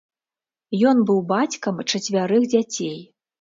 Ён быў бацькам чацвярых дзяцей.